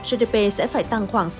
gdp sẽ phải tăng khoảng sáu bảy mươi năm